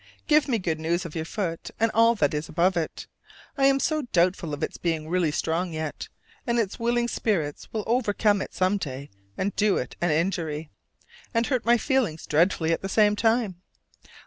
Give me good news of your foot and all that is above it: I am so doubtful of its being really strong yet; and its willing spirits will overcome it some day and do it an injury, and hurt my feelings dreadfully at the same time.